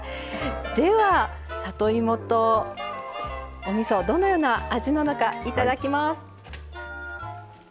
では、里芋と、おみそどのような味なのかいただきます。